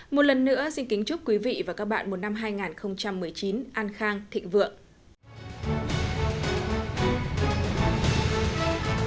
một lần nữa xin kính chúc quý vị và các bạn một năm hai nghìn một mươi chín an khang thịnh vượng